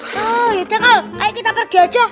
hei tenggal ayo kita pergi aja